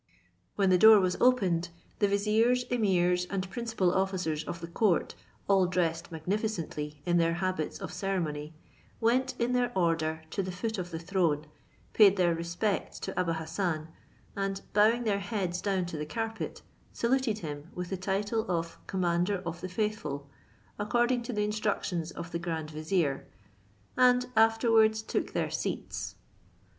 When the door was opened, the viziers, emirs, and principal officers of the court, all dressed magnificently in their habits of ceremony, went in their order to the foot of the throne, paid their respects to Abou Hassan; and bowing their heads down to the carpet, saluted him with the title of commander of the faithful, according to the instructions of the grand vizier, and afterwards took their seats.